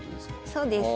そうです。